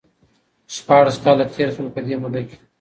شپاړس کاله تېر شول ،په دې موده کې